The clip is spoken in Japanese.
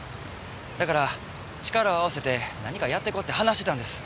だから力を合わせて何かやっていこうって話してたんです。